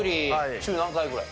週何回ぐらい？